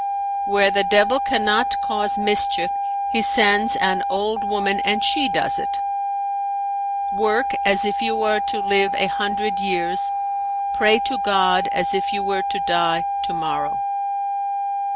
"Where the devil cannot cause mischief he sends an old woman and she does it. "Work as if you are to live a hundred years, pray to God as if you were to die tomorrow."